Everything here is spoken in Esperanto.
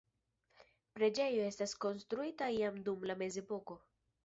Preĝejo estis konstruita iam dum la mezepoko.